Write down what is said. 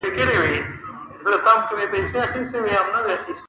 د پوستي محصول د ټیکټ په څېر شه کلک ونښله.